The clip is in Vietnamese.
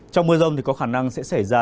trong mưa rông thì có khả năng sẽ xảy ra